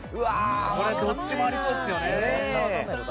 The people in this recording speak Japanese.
どっちもありそうですよね。